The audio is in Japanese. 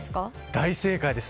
大正解です。